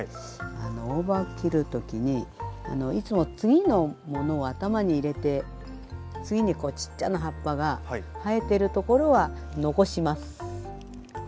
大葉を切る時にいつも次のものを頭に入れて次にちっちゃな葉っぱが生えてるところは残します。